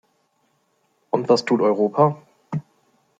Und was tut Europa?